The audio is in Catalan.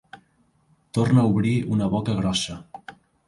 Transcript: Torna a obrir una boca grossa.